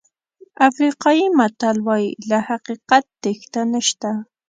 افریقایي متل وایي له حقیقت تېښته نشته.